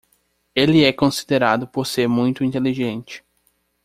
Ele é considerado por ser muito inteligente.